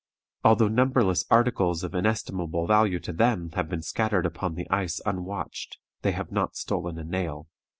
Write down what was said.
Although numberless articles of inestimable value to them have been scattered upon the ice unwatched, they have not stolen a nail."